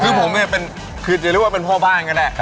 คือผมเนี่ยคือจะเรียกว่าเป็นพ่อบ้านก็ได้